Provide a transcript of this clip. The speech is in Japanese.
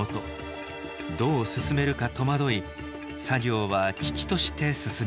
どう進めるか戸惑い作業は遅々として進みません